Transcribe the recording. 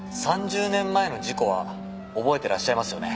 ３０年前の事故は覚えてらっしゃいますよね？